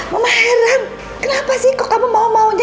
mama heran kenapa sih kok kamu maunya